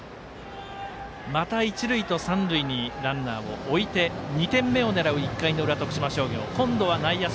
また一塁と三塁にランナーを置いて２点目を狙う１回の裏、徳島商業。